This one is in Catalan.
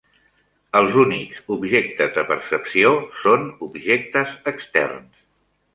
Els únics objectes de percepció són objectes externs.